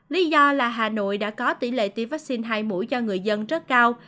lý do là hà nội đã có tỷ lệ tiêm vaccine hai mũi cho người dân rất cao